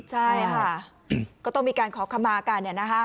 ใช่ค่ะก็ต้องมีการขอขมากันเนี่ยนะฮะ